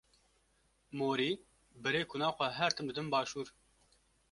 Morî berê kuna xwe her tim didin başûr.